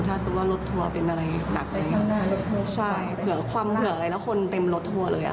ถ้าสมมุติว่ารถทัวร์เป็นอะไรหนักอะไรอย่างเงี้ยใช่เผื่อคว่ำเผื่ออะไรแล้วคนเต็มรถทัวร์เลยอ่ะ